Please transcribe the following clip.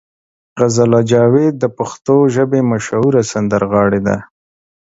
غزاله جاوید د پښتو ژبې مشهوره سندرغاړې ده.